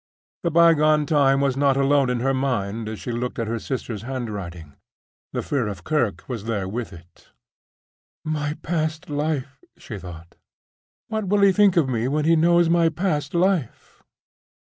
The bygone time was not alone in her mind as she looked at her sister's handwriting: the fear of Kirke was there with it. "My past life!" she thought. "What will he think of me when he knows my past life?"